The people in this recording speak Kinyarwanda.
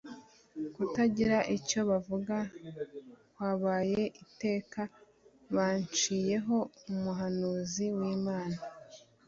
Kutagira icyo bavuga kwabaye iteka bacinyeho umuhanuzi w'Imana